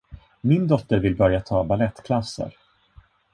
Min dotter vill börja ta balettklasser.